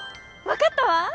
わかったわ！